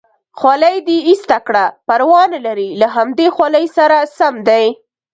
خولۍ دې ایسته کړه، پروا نه لري له همدې خولۍ سره سم دی.